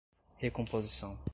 recomposição